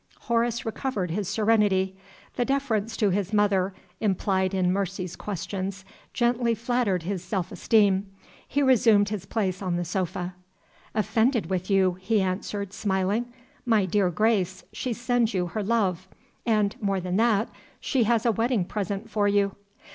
Horace recovered his serenity. The deference to his mother implied in Mercy's questions gently flattered his self esteem. He resumed his place on the sofa. "Offended with you!" he answered, smiling. "My dear Grace, she sends you her love. And, more than that, she has a wedding present for you."